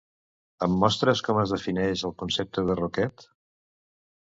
Em mostres com es defineix el concepte de roquet?